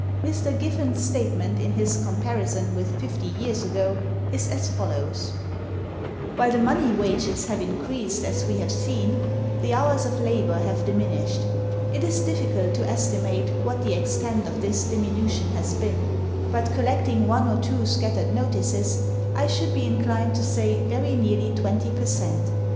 Mr. Giffen's statement in his comparison(305) with fifty years ago, is as follows: "While the money wages have increased as we have seen, the hours of labor have diminished. It is difficult to estimate what the extent of this diminution has been, but collecting one or two scattered notices I should be inclined to say very nearly 20 per cent.